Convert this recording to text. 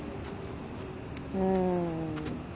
うん。